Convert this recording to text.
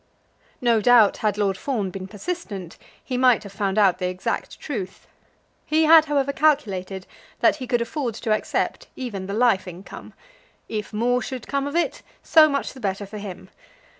No doubt, had Lord Fawn been persistent, he might have found out the exact truth. He had, however, calculated that he could afford to accept even the life income. If more should come of it, so much the better for him.